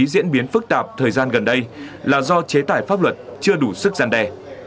diễn biến phức tạp thời gian gần đây là do chế tải pháp luật chưa đủ sức gian đe